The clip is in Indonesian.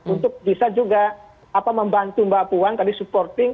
untuk bisa juga membantu mbak puan tadi supporting